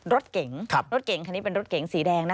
รถเก๋งรถเก่งคันนี้เป็นรถเก๋งสีแดงนะคะ